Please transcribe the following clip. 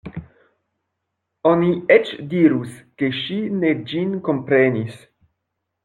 Oni eĉ dirus, ke ŝi ne ĝin komprenis.